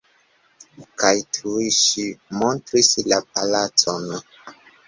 Kaj tuj ŝi montris la palacon.